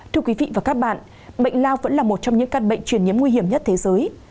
thưa quý vị và các bạn bệnh lao vẫn là một trong những căn bệnh truyền nhiễm nguy hiểm nhất thế giới